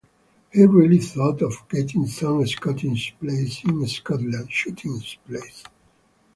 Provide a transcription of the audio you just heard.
He really thought of getting some shooting-place in Scotland.